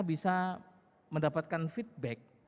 bisa mendapatkan feedback